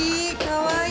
かわいい。